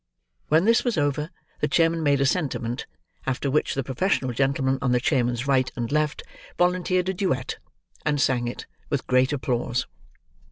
When this was over, the chairman gave a sentiment, after which, the professional gentleman on the chairman's right and left volunteered a duet, and sang it, with great applause.